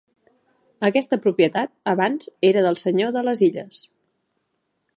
Aquesta propietat abans era del Senyor de les illes.